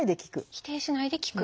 否定しないで聞く。